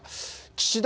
岸田